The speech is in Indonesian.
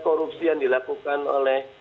korupsi yang dilakukan oleh